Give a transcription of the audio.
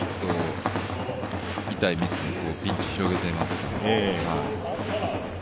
痛いミスを、ピンチを広げていますね。